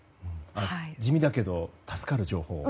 地味だけど助かる情報。